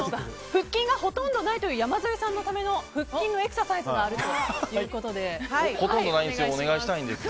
腹筋がほとんどないという山添さんのための腹筋のエクササイズがあるそうです。